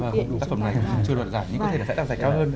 vâng tác phẩm này chưa đoạt giải nhưng có thể là sẽ đoạt giải cao hơn